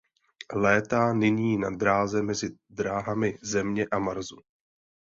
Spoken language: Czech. Létá nyní na dráze mezi drahami Země a Marsu.